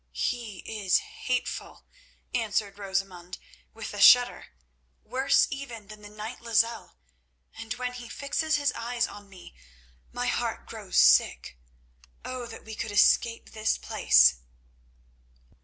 "He is hateful," answered Rosamund, with a shudder; "worse even than the knight Lozelle; and when he fixes his eyes on me, my heart grows sick. Oh! that we could escape this place!"